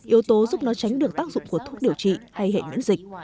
yếu tố giúp nó tránh được tác dụng của thuốc điều trị